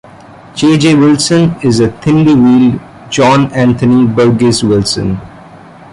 "J. J. Wilson" is a thinly veiled "John Anthony Burgess Wilson".